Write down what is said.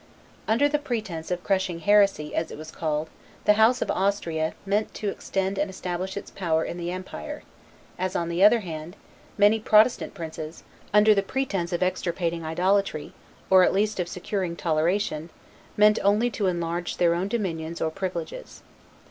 Under the pretense of crushing heresy, as it was called, the House of Austria meant to extend and establish its power in the empire; as, on the other hand, many Protestant princes, under the pretense of extirpating idolatry, or at least of securing toleration, meant only to enlarge their own dominions or privileges.